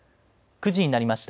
９時になりました。